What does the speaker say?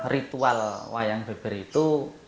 ritual wayang beber itu